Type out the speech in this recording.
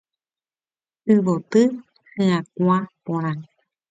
Yvoty hyakuã porã.